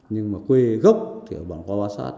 nhưng mà quê gốc thì ở bảng qua bá sát